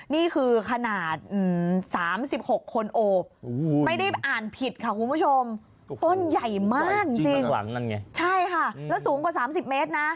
นี่คือขนาดสามสิบหกคนโอไม่ได้อ่านผิดคุณผู้ชมข้นใหญ่มากลงไปสู้ไกลอ่ะ